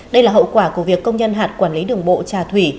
đây là hậu quả của việc công nhân hạt quản lý đường bộ trà thủy